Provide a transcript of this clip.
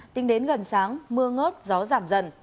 tính đến gần sáng mưa ngớt gió giảm dần